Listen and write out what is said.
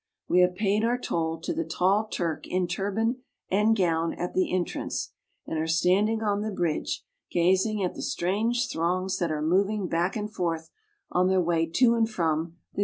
We have paid our toll to the tall Turk in turban and gown at the entrance, and are standing on the bridge gazing at the strange throngs that are moving back and forth on their way to and from 366 TURKEY.